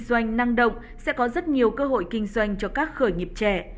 doanh nghiệp kinh doanh năng động sẽ có rất nhiều cơ hội kinh doanh cho các khởi nghiệp trẻ